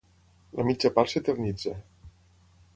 La mitja part s'eternitza.